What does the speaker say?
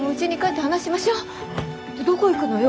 てどこ行くのよ？